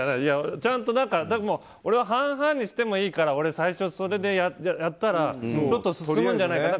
俺は半々にしてもいいから俺、最初、それでやったらちょっと進むんじゃないかなと。